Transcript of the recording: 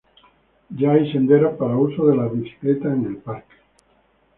Ya hay senderos para uso de la bicicleta en el parque.